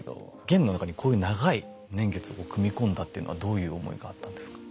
ゲームの中にこういう長い年月を組み込んだっていうのはどういう思いがあったんですか？